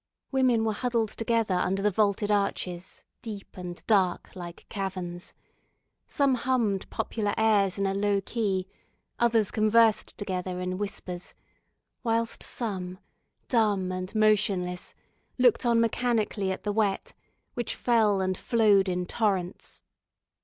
Women were huddled together under the vaulted arches, deep and dark, like caverns; some hummed popular airs in a low key; others conversed together in whispers; whilst some, dumb and motionless, looked on mechanically at the wet, which fell and flowed in torrents.